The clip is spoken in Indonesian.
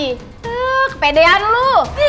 tuh kepedean lo